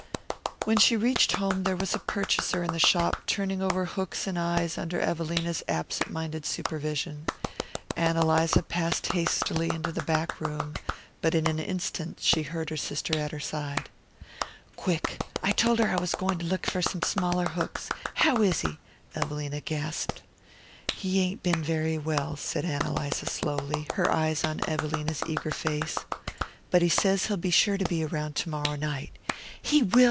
When she reached home there was a purchaser in the shop, turning over hooks and eyes under Evelina's absent minded supervision. Ann Eliza passed hastily into the back room, but in an instant she heard her sister at her side. "Quick! I told her I was goin' to look for some smaller hooks how is he?" Evelina gasped. "He ain't been very well," said Ann Eliza slowly, her eyes on Evelina's eager face; "but he says he'll be sure to be round to morrow night." "He will?